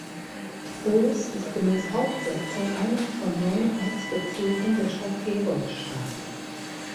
Oos ist gemäß Hauptsatzung einer von neun Ortsbezirken der Stadt Gerolstein.